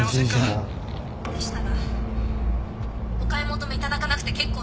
でしたらお買い求めいただかなくて結構です。